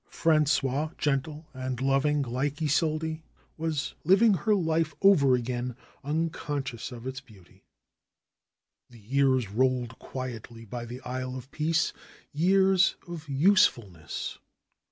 Frangois, gentle and loving like Isolde, was living her life over again, unconscious of its beauty. The years rolled quietly by the Isle of Peace, years of usefulness.